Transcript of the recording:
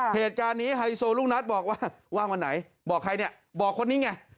เหตุการณ์นี้ไฮโซลูกนัทบอกว่าว่างวันไหนบอกใครเนี่ยบอกคนนี้ไง